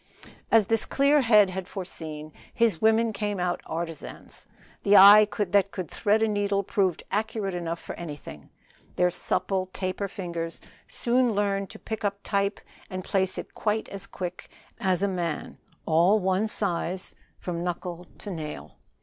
As this clear head had foreseen, his women came out artisans. The eye that could thread a needle proved accurate enough for anything. Their supple, taper fingers soon learned to pick up type and place it quite as quick as even the stiff digits of the male, all one size from knuckle to nail.